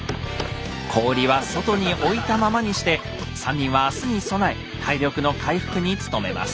氷は外に置いたままにして３人は明日に備え体力の回復に努めます。